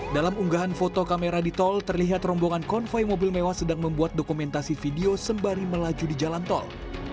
dalam unggahan foto kamera di tol terlihat rombongan konvoy mobil mewah sedang membuat dokumentasi video sembari melaju di jalan tol